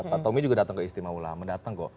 pak tommy juga datang ke istimewa ulama datang kok